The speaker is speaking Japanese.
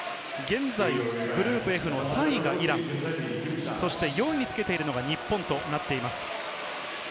グループＦの３位がイラン、４位につけているのが日本となっています。